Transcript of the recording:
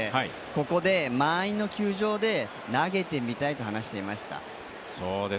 ここで満員の球場で投げてみたいと話していました。